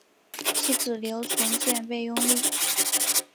其子刘从谏被拥立。